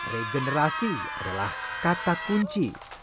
regenerasi adalah kata kunci